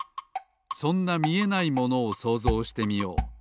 そんなみえないものをそうぞうしてみよう。